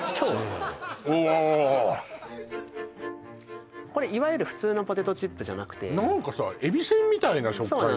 ですからうわこれいわゆる普通のポテトチップじゃなくて何かさえびせんみたいな食感よ